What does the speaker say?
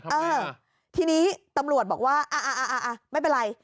เออทีนี้ตำรวจบอกว่าอ่าไม่เป็นไร